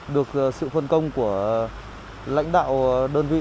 được sự phân công của lãnh đạo đơn vị